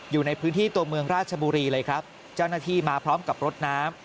อยู่ในพื้นที่ตัวเมืองราชบุรีเลยครับเจ้าหน้าที่มาพร้อมกับรถน้ำ